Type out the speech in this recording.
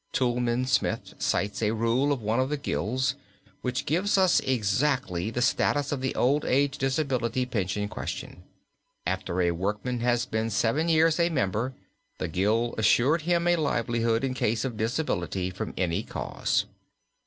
Toulmin Smith cites a rule of one of the gilds which gives us exactly the status of the old age disability pension question. After a workman had been seven years a member, the gild assured him a livelihood in case of disability from any cause.